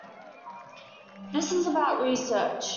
This is about research.